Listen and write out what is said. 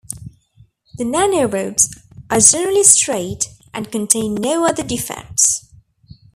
The nanorods are generally straight and contain no other defects.